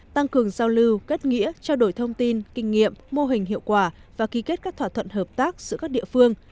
tăng cường giao lưu kết nghĩa trao đổi thông tin kinh nghiệm mô hình hiệu quả và ký kết các thỏa thuận hợp tác giữa các địa phương